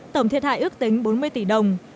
tổng thiệt hại ước tính bốn mươi tỷ đồng